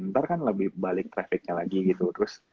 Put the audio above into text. ntar kan lebih balik trafficnya lagi gitu terus